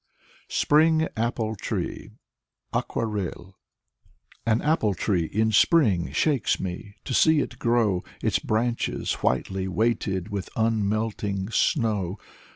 158 Igor Severyanin SPRING APPLE TREE Aquarelle An apple tree in Spring shakes me, — ^to see it grow, Its branches whitely weighted with unmelting snow.